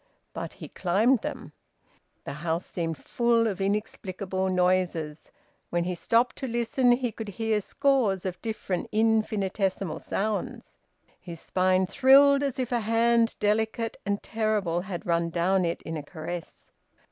But he climbed them. The house seemed full of inexplicable noises. When he stopped to listen he could hear scores of different infinitesimal sounds. His spine thrilled, as if a hand delicate and terrible had run down it in a caress.